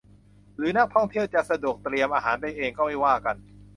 หรือนักท่องเที่ยวจะสะดวกเตรียมอาหารไปเองก็ไม่ว่ากัน